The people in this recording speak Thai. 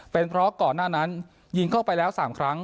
เป็นเพราะก่อนหน้านั้นยิงเข้าไปแล้ว๓ครั้ง